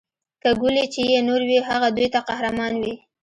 کړولي چي یې نور وي هغه دوی ته قهرمان وي